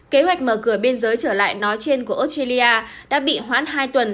kế hoạch mở cửa biên giới trở lại nói trên của australia đã bị hoãn hai tuần